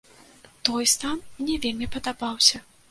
Той стан мне вельмі падабаўся.